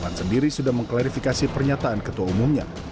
pan sendiri sudah mengklarifikasi pernyataan ketua umumnya